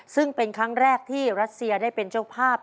ซึ่งเป็นครั้งแรกที่รัสเซียได้เป็นเจ้าภาพ